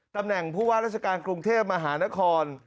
ตำแหน่งผู้ว่าราชการกรุงเทพมหานคร